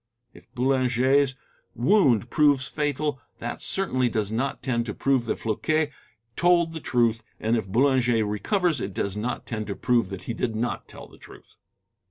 If Boulanger's wound proves fatal, that certainly does not tend to prove that Floquet told the truth, and if Boulanger recovers, it does not tend to prove that he did not tell the truth.